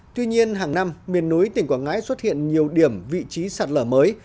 tuy nhiên hàng năm miền núi tỉnh quảng ngãi xuất hiện nhiều điểm vị trí sạt lở mới